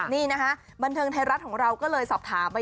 นี่นะคะบันเทิงไทยรัฐของเราก็เลยสอบถามไป